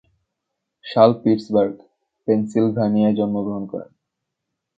শাল পিটসবার্গ, পেনসিল্ভানিয়ায় জন্মগ্রহণ করেন।